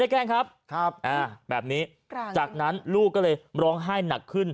แกล้งครับแบบนี้จากนั้นลูกก็เลยร้องไห้หนักขึ้น